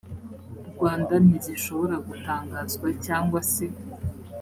rwanda ntizishobora gutangazwa cyangwa se